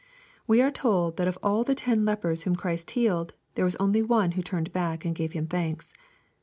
We are told that of all the ten lepers whom Christ healed, there was only one who turned back and gave Him thanks.